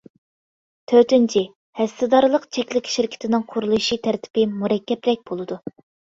تۆتىنچى، ھەسسىدارلىق چەكلىك شىركىتىنىڭ قۇرۇلۇشى تەرتىپى مۇرەككەپرەك بولىدۇ.